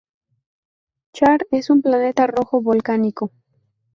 Char es un planeta rojo volcánico.